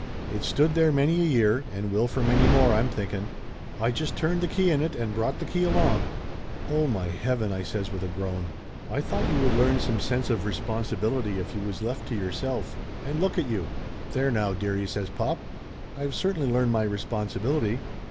"It's stood there many a year, and will for many more, I'm thinking. I just turned the key in it, and brought the key along." "Oh, my heaven !" I says with a groan. "I thought 242 Laughter Limited you would learn some sense of responsibility if you was left to yourself. And look at you!" "There now, dearie!" says pop. "I have certainly learned my responsibility.